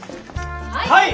はい！